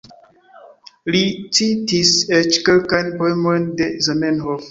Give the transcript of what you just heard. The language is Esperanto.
Li citis eĉ kelkajn poemojn de Zamenhof.